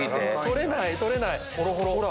取れない取れない。